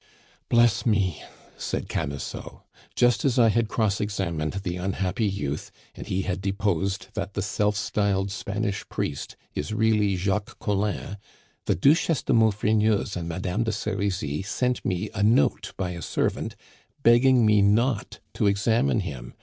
"Bless me!" said Camusot, "just as I had cross questioned the unhappy youth, and he had deposed that the self styled Spanish priest is really Jacques Collin, the Duchesse de Maufrigneuse and Madame de Serizy sent me a note by a servant begging me not to examine him.